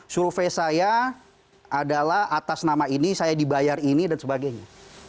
survei saya adalah atas nama ini saya dibayar ini dan sebagainya